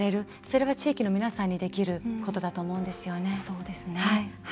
それは地域の皆さんにできることだと思うんですよね。